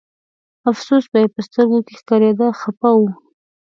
افسوس به یې په سترګو کې ښکارېده خپه و.